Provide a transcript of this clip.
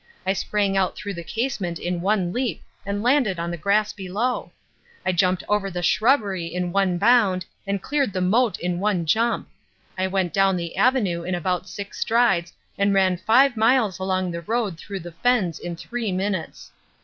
I sprang out through the casement in one leap and landed on the grass below. I jumped over the shrubbery in one bound and cleared the moat in one jump. I went down the avenue in about six strides and ran five miles along the road through the fens in three minutes.